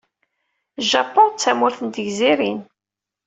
Japun d tamurt n tegzirin.